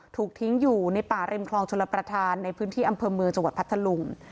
ถูกทิ้งอยู่ในป่าริมคลองชลประธานในพื้นที่อำเภอเมืองจังหวัดพัทธลุง